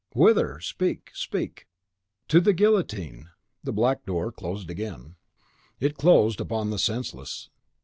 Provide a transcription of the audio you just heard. "Whither? Speak speak!" "To the guillotine!" and the black door closed again. It closed upon the senseless!